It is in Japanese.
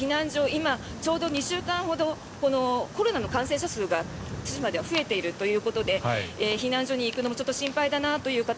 今、ちょうど２週間ほどコロナの感染者数が対馬では増えているということで避難所に行くのは心配だなという方